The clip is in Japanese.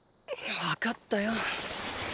わかったよ。